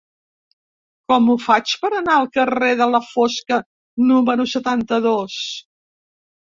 Com ho faig per anar al carrer de la Fosca número setanta-dos?